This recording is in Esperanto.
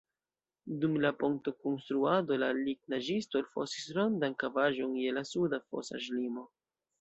Dum la pontokonstruado la lignaĵisto elfosis rondan kavaĵon je la suda fosaĵlimo.